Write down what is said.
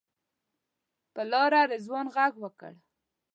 پر لاره رضوان غږ وکړ.